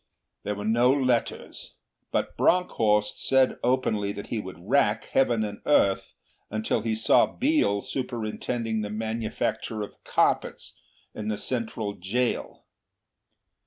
There were no letters; but Bronckhorst said openly that he would rack Heaven and Earth until he saw Biel superintending the manufacture of carpets in the Central Jail.